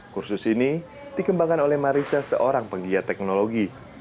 kursus ini dikembangkan oleh marissa seorang penggiat teknologi